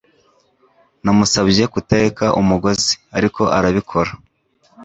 Namusabye kutareka umugozi, ariko arabikora.